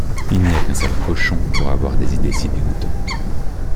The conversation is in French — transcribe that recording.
Il n’y a qu’un sale cochon pour avoir des idées si dégoûtantes...